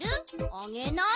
あげない？